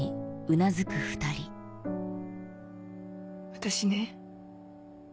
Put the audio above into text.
私ね。